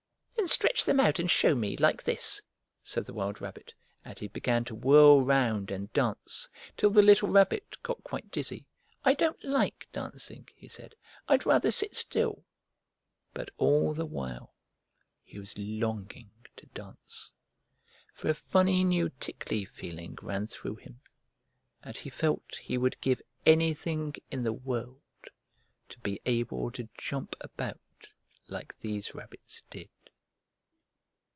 "Then stretch them out and show me, like this!" said the wild rabbit. And he began to whirl round and dance, till the little Rabbit got quite dizzy. "I don't like dancing," he said. "I'd rather sit still!" But all the while he was longing to dance, for a funny new tickly feeling ran through him, and he felt he would give anything in the world to be able to jump about like these rabbits did.